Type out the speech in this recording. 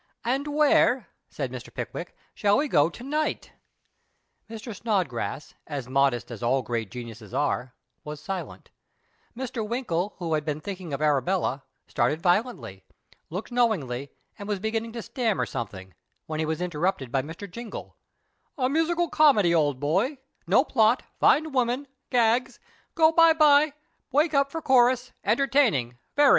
" And where," said Mr. Pickwick, " shall we go to night ?" Mr. Snodgrass, as modest as all great geniuses arc, was silent. Mr. Winkle, who had been thinking of Arabella, started violently, looked 46 PASTICHE AND PREJUDICE knowing, and was beginning to stammer some thing, when he was interrupted by Mr. Jingle —" A musical eomcdy, old boy — no plot — fine women — gags — go by by — wake up for chorus — entertaining, very."